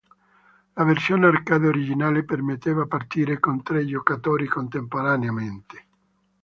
La versione arcade originale permetteva partite con tre giocatori contemporaneamente.